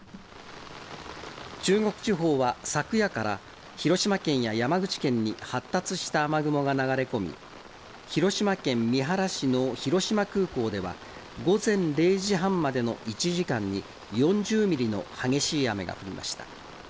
中国地方は、昨夜から広島県や山口県に発達した雨雲が流れ込み、広島県三原市の広島空港では、午前０時半までの１時間に、４０ミリの激しい雨が降りました。